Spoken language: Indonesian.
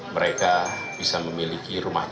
mereka bisa memiliki ruang